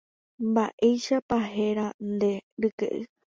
Mba'éichapa héra nde ryke'y.